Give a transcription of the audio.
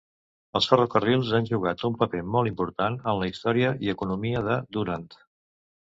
Els ferrocarrils han jugat un paper molt important en la història i economia de Durand.